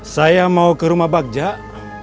saya mau ke rumah bagjak